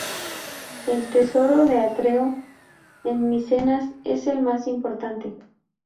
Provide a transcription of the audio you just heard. El Tesoro de Atreo, en Micenas es el más importante.